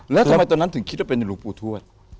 แล้วทำไมตอนนั้นถึงคิดว่าเป็นหลวงปู่ทวด